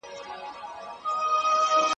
زه د ده له لاسه له هېواد څخه راغلم.